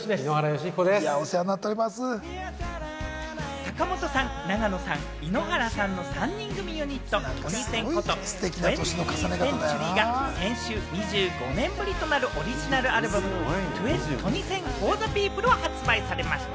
坂本さん、長野さん、井ノ原さんの３人組ユニット、トニセンこと、２０ｔｈＣｅｎｔｕｒｙが先週、２５年ぶりとなるオリジナルアルバム、『二十世紀ＦＯＲＴＨＥＰＥＯＰＬＥ』を発売されました。